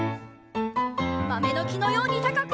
まめのきのようにたかく！